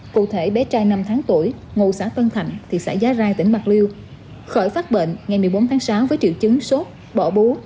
cụ thể bé trai năm tháng tuổi ngụ xã tân thạnh thị xã giá rai tỉnh bạc liêu khởi phát bệnh ngày một mươi bốn tháng sáu với triệu chứng sốt bỏ bú